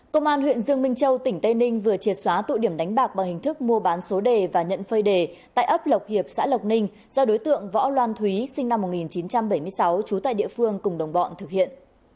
công an huyện dương minh châu tỉnh tây ninh vừa triệt xóa tụ điểm đánh bạc bằng hình thức mua bán số đề và nhận phơi đề tại ấp lộc hiệp xã lộc ninh do đối tượng võ loan thúy sinh năm một nghìn chín trăm bảy mươi sáu trú tại địa phương cùng đồng bọn thực hiện